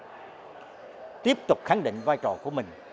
tp hcm tiếp tục khẳng định vai trò của mình